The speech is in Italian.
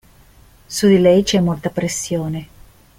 Su di lei c'è molta pressione.